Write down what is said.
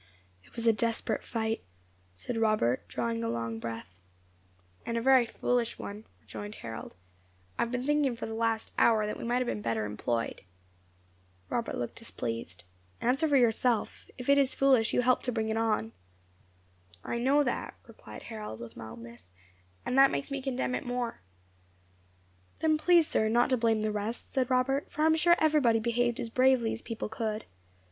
"It was a desperate fight," said Robert, drawing a long breath. "And a very foolish one," rejoined Harold. "I have been thinking for the last hour that we might have been better employed." Robert looked displeased. "Answer for yourself. If it is foolish, you helped to bring it on." "I know that," replied Harold, with mildness, "and that makes me condemn it the more." "Then please, sir, not to blame the rest," said Robert, "for I am sure everybody behaved as bravely as people could."